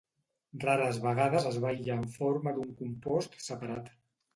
Rares vegades es va aïllar en forma d'un compost separat.